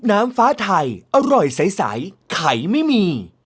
กำลังมาสิไปหาอยู่พอดี